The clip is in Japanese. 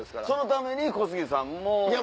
そのために小杉さんも。